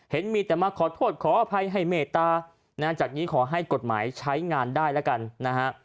เห็นมีแต่มาขอโทษขออภัยให้เมตตาจากนี้ขอให้กฎหมายใช้งานได้แล้วกันนะฮะ